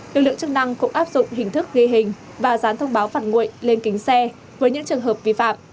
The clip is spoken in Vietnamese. lực lượng chức năng cũng áp dụng hình thức ghi hình và dán thông báo phạt nguội lên kính xe với những trường hợp vi phạm